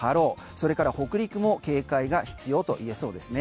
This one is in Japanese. それから北陸も警戒が必要といえそうですね。